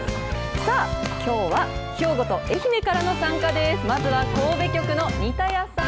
さあ、きょうは兵庫と愛媛からの参加です。